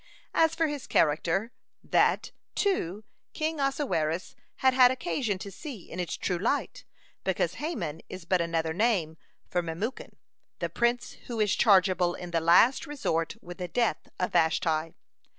(95) As for his character, that, too, King Ahasuerus had had occasion to see in its true light, because Haman is but another name for Memucan, the prince who is chargeable in the last resort with the death of Vashti.